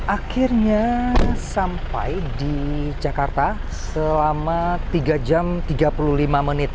akhirnya sampai di jakarta selama tiga jam tiga puluh lima menit